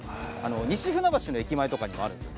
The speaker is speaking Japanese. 西船橋の駅前とかにもあるんすよ。